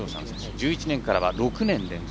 １１年からは６年連続。